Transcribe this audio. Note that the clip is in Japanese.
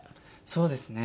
そうですね。